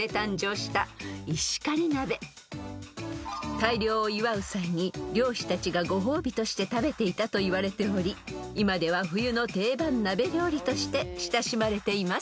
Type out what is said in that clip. ［大漁を祝う際に漁師たちがご褒美として食べていたといわれており今では冬の定番鍋料理として親しまれています］